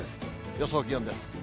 予想気温です。